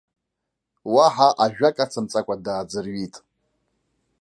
Уаҳа ажәак ацымҵакәа дааӡырҩит.